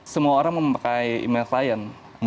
semua orang memakai email klien